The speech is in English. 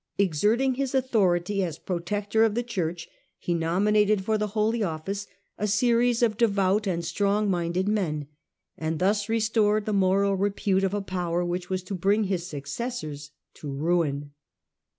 Exerting his authority as protector of the Church, he nominated for the holy office a series of devout and strong minded men, and thus restored the moral repute of a power which was to bring his successors to ruin.